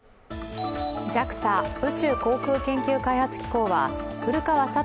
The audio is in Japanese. ＪＡＸＡ＝宇宙航空研究開発機構は古川聡